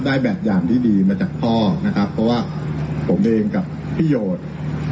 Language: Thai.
ได้แบบอย่างที่ดีมาจากพ่อนะครับเพราะว่าผมเองกับพี่โยชน์